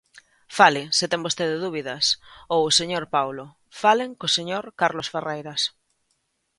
Fale, se ten vostede dúbidas, ou o señor Paulo, falen co señor Carlos Ferreiras.